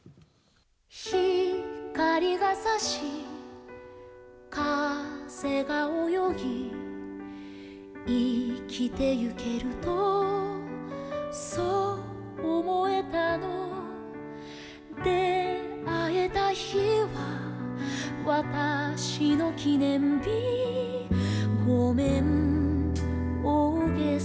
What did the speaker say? ひかりがさし風が泳ぎ生きてゆけるとそう思えたの出会えた日は私の記念日ごめんおおげさ？